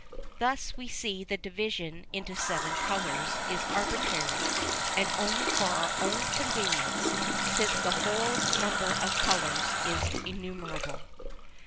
Thus we see the division into seven colours is arbitrary, and only for our own convenience, since the whole number of colours is innumerable.